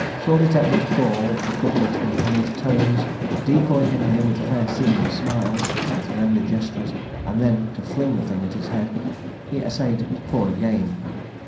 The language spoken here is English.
Sorely tempted to call to the cooklet in honeyed tones, decoy him near with fair seeming smiles, with friendly gestures, and then to fling the thing at his head, he essayed to pour again.